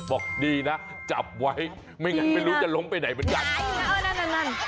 กลับใยดีนะจับไว้ไม่รู้จะล้มไปไหนเหมือนกัน